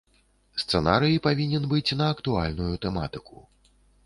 Сцэнарый павінен быць на актуальную тэматыку.